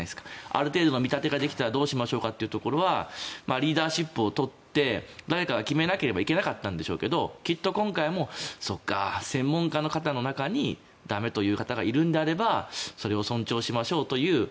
ある程度の見立てができたらどうしましょうかというところはリーダーシップを取って誰かが決めなければいけなかったんでしょうけれどきっと今回もそうか、専門家の方の中に駄目という方がいるのであればそれを尊重しましょうという。